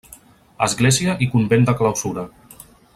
Església i convent de clausura.